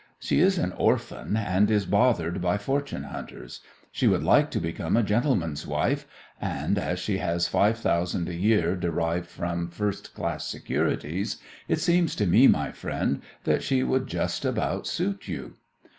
She is an orphan, and is bothered by fortune hunters. She would like to become a gentleman's wife, and as she has five thousand a year derived from first class securities, it seems to me, my friend, that she would just about suit you."